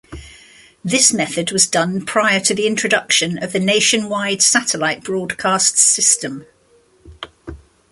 This method was done prior to the introduction of the nationwide satellite broadcast system.